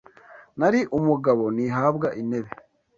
Nari umugabo ntihabwa intebe